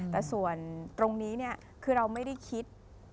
แต่ส่วนตรงนี้เนี่ยคือเราไม่ได้คิด